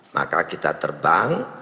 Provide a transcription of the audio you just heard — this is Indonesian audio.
maka kita terbang